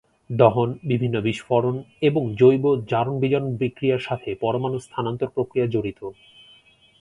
দহন, বিভিন্ন বিস্ফোরণ, এবং জৈব জারণ-বিজারণ বিক্রিয়ার সাথে পরমাণু স্থানান্তর প্রক্রিয়া জড়িত।